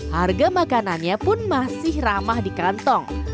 harga makanannya pun masih ramah di kantong